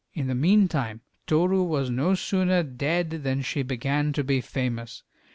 In the meantime Toru was no sooner dead than she began to be famous.